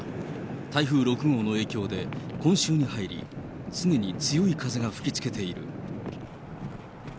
台風６号の影響で、今週に入り、常に強い風が吹きつけている。